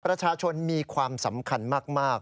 ประชาชนมีความสำคัญมาก